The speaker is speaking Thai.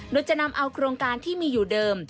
โดยจะนำเอาโครงการที่มีอยู่เดิม